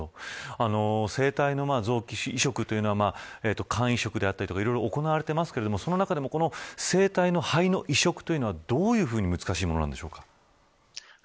生体の臓器移植というのは肝移植であったりいろいろ行われていますがその中でも生体の肺の移植というのはどういうふうに難しいものなんでしょうか。